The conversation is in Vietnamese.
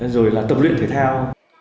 rồi là tập luyện thể thao